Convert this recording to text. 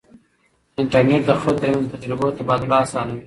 انټرنیټ د خلکو ترمنځ د تجربو تبادله اسانوي.